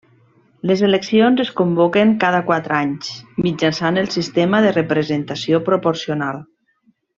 Les eleccions es convoquen cada quatre anys mitjançant el sistema de representació proporcional.